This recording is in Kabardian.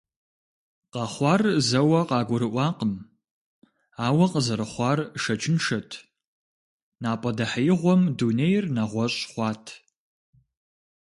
Къэхъуар зэуэ къыгурыӀуакъым, ауэ къызэрыхъуар шэчыншэт, напӀэдэхьеигъуэм дунейр нэгъуэщӀ хъуат.